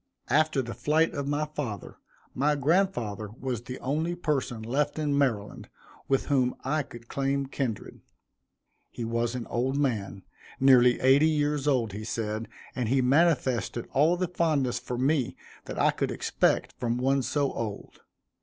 After the flight of my father, my grandfather was the only person left in Maryland with whom I could claim kindred. He was an old man, nearly eighty years old, he said, and he manifested all the fondness for me that I could expect from one so old.